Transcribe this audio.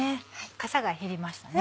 かさが減りましたね